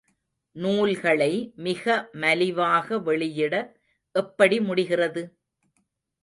நூல்களை மிக மலிவாக வெளியிட எப்படி முடிகிறது?